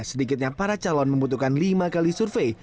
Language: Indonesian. sedikitnya para calon membutuhkan lima kali survei